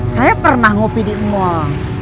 saya pernah ngopi di mall